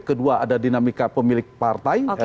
kedua ada dinamika pemilik partai